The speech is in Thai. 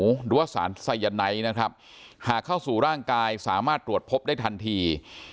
หรือว่าสารไซยาไนท์นะครับหากเข้าสู่ร่างกายสามารถตรวจพบได้ทันที